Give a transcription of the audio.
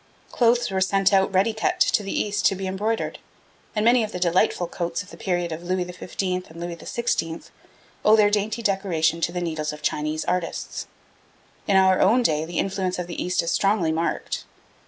Clothes were sent out ready cut to the East to be embroidered, and many of the delightful coats of the period of Louis XV. and Louis XVI. owe their dainty decoration to the needles of Chinese artists. In our own day the influence of the East is strongly marked.